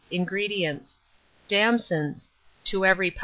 INGREDIENTS. Damsons; to every lb.